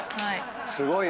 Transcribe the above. すごいよ。